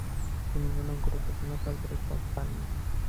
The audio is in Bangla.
তিনি কোনো গুরুত্বপূর্ণ সরকারি পদ পাননি।